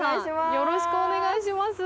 よろしくお願いします